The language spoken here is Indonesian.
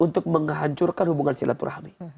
untuk menghancurkan hubungan silaturahmi